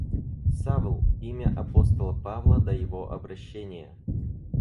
Савл — имя апостола Павла до его обращения.